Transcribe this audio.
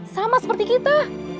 sama seperti kita